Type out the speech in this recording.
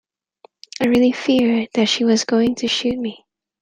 I really feared that she was going to shoot me.